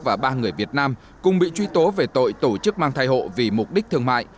và ba người việt nam cùng bị truy tố về tội tổ chức mang thai hộ vì mục đích thương mại